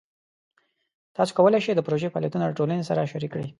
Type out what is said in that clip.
تاسو کولی شئ د پروژې فعالیتونه د ټولنې سره شریک کړئ.